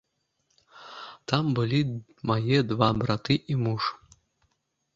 Там былі мае два браты і муж.